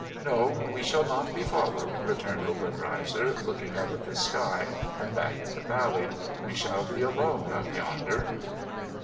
' No ; we shall not be followed,' returned Obcnreizer, looking up at the sky and back at the valley. 'We shall be alone up yonder.'